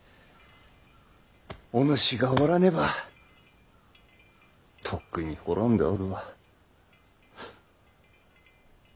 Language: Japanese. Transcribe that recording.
お主がおらねばとっくに滅んでおるわ。